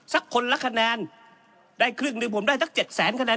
สักคนละคะแนนได้ครึ่งหนึ่งผมได้สักเจ็ดแสนคะแน